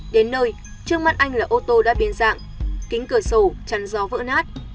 đến nơi trước mắt anh là ô tô đã biến dạng kính cửa sổ chắn gió vỡ nát